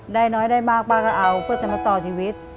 ได้น้อยได้มากป้าก็เอาเพื่อจะมาต่อชีวิต